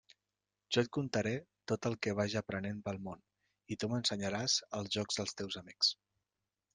Jo et contaré tot el que vaja aprenent pel món i tu m'ensenyaràs els jocs dels teus amics.